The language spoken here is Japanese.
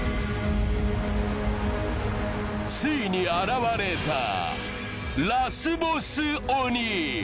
ついに現れたラスボス鬼